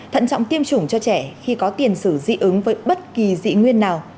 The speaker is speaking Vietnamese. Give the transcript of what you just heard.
thận trọng tiêm chủng cho trẻ khi có tiền sử dị ứng với bất kỳ dị nguyên nào